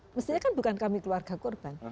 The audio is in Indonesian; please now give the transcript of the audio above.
itu apa maksudnya kan bukan kami keluarga korban